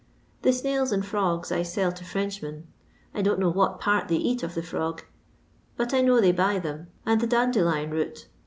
" The snails and frogs I sell to Frenchmen. I don't know what part they eat of the frog, but I know they buy them, and the dandelion root.